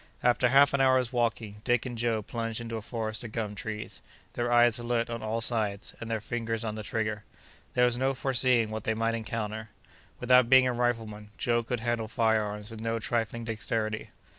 After half an hour's walking, Dick and Joe plunged into a forest of gum trees, their eyes alert on all sides, and their fingers on the trigger. There was no foreseeing what they might encounter. Without being a rifleman, Joe could handle fire arms with no trifling dexterity.